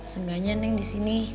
seenggaknya neng di sini